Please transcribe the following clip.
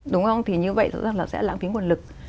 đúng không thì như vậy rõ ràng là sẽ lãng phí nguồn lực